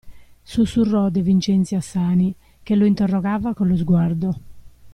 Sussurrò De Vincenzi a Sani, che lo interrogava con lo sguardo.